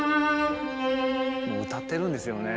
歌ってるんですよね。